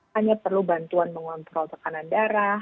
hanya perlu bantuan mengontrol tekanan darah